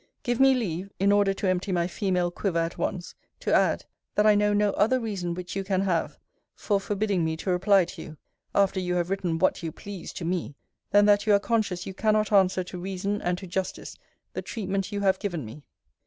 Give me leave, in order to empty my female quiver at once, to add, that I know no other reason which you can have for forbidding me to reply to you, after you have written what you pleased to me, than that you are conscious you cannot answer to reason and to justice the treatment you have given me.